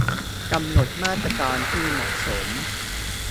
กำหนดมาตรการที่เหมาะสม